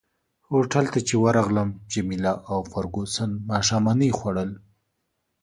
هوټل ته چي ورغلم جميله او فرګوسن ماښامنۍ خوړل.